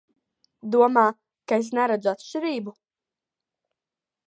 Domā, ka es neredzu atšķirību?